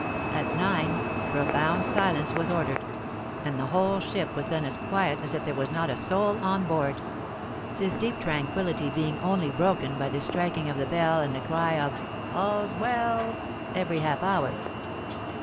At nine profound silence was ordered; and the whole ship was then as quiet as if there was not a soul on board,—this deep tranquillity being only broken by the striking of the bell and the cry of 'All's well!' every half hour.